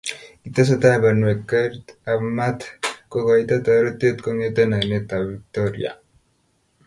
kitesetai banwek kairt ab maat kokoito taretet kongete ainet ab Victoria